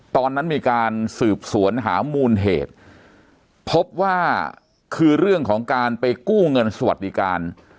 ตอนนั้นมีการสืบสวนหามูลเหตุพบว่าคือเรื่องของการไปกู้เงินสวัสดิการ